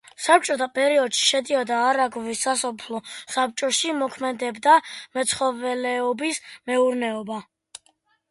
საბჭოთა პერიოდში შედიოდა არაგვის სასოფლო საბჭოში, მოქმედებდა მეცხოველეობის მეურნეობა.